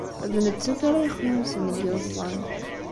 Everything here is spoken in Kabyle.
D nettat ara yexnunsen deg yiẓẓan.